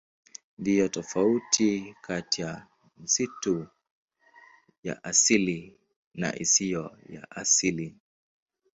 Ndiyo tofauti kati ya misitu ya asili na isiyo ya asili.